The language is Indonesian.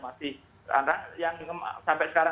masih yang sampai sekarang